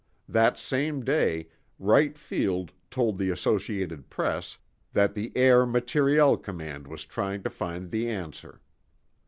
That same day, Wright Field told the Associated Press that the Air Materiel Command was trying to find the answer.